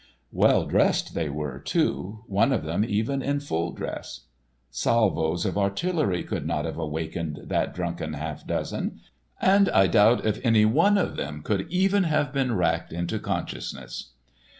Well dressed they were, too, one of them even in full dress. Salvos of artillery could not have awakened that drunken half dozen, and I doubt if any one of them could even have been racked into consciousness.